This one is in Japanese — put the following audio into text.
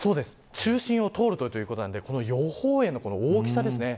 中心を通ると、ということで予報円の大きさです。